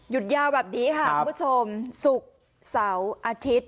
ยาวแบบนี้ค่ะคุณผู้ชมศุกร์เสาร์อาทิตย์